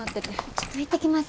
ちょっと行ってきます。